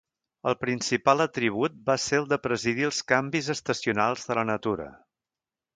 El principal atribut va ser el de presidir els canvis estacionals de la natura.